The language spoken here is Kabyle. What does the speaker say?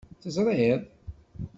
Teẓriḍ?